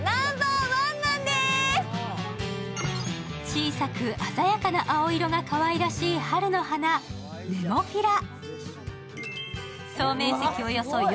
小さく鮮やかな青色がかわいらしい春の花・ネモフィラ。